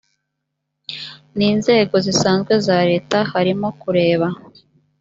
n inzego zisanzwe za leta harimo kureba